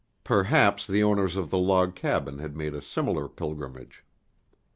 Perhaps the owners of the log cabin had made a similar pilgrimage.